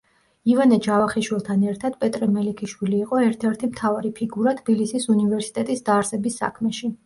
ივანე ჯავახიშვილთან ერთად პეტრე მელიქიშვილი იყო ერთ-ერთი მთავარი ფიგურა თბილისის უნივერსიტეტის დაარსების საქმეში.